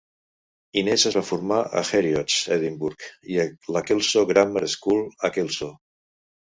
Innes es va formar a Heriot's, Edimburg, i a la Kelso Grammar School, a Kelso.